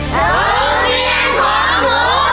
สูงเบียงของหนู